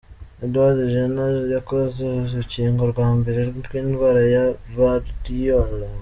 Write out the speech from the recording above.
Edward Jenner yakoze urukingo rwa mbere rw’indwara ya Variole.